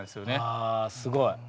あすごい。